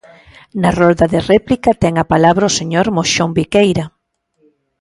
Na rolda de réplica ten a palabra o señor Moxón Biqueira.